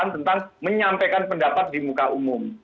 tentang menyampaikan pendapat di muka umum